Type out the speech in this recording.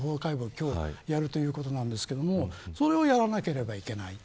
今日やるということですがそれをやらなければいけない。